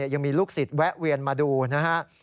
ยังมีลูกศิษย์แวะเวียนมาดูนะฮะ